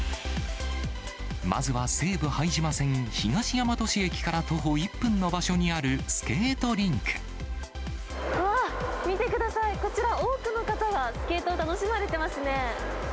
まずは西武拝島線東大和市駅から徒歩１分の場所にあるスケートリうわっ、見てください、こちら、多くの方がスケートを楽しまれていますね。